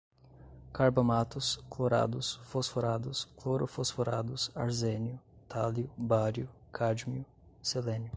carbamatos, clorados, fosforados, clorofosforados, arsênio, tálio, bário, cádmio, selênio